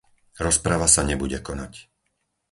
Rozprava sa nebude konať.